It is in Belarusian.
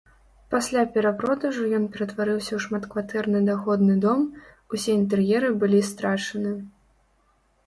Пасля перапродажу ён ператварыўся ў шматкватэрны даходны дом, усе інтэр'еры былі страчаны.